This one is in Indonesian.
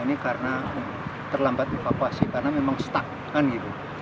ini karena terlambat evakuasi karena memang stuck kan gitu